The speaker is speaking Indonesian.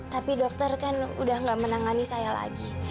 tapi dokter kan udah nggak menangani saya lagi